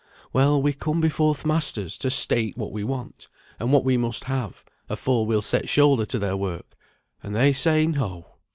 Well, we come before th' masters to state what we want, and what we must have, afore we'll set shoulder to their work; and they say, 'No.'